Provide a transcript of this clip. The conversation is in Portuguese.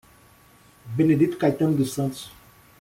Benedito Caetano dos Santos